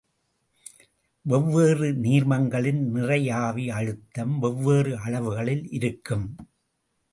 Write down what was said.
வெவ்வேறு நீர்மங்களின் நிறையாவி அழுத்தம் வெவ்வேறு அளவுகளில் இருக்கும்.